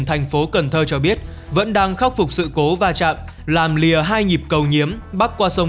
thành phố cần thơ cho biết vẫn đang khắc phục sự cố va chạm làm lìa hai nhịp cầu nhiếm bắc qua sông